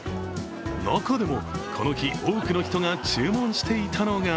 中でも、この日、多くの人が注文していたのが